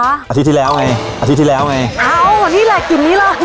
อาทิตย์ที่แล้วไงอาทิตย์ที่แล้วไงอ้าวนี่แหละกลิ่นนี้เลย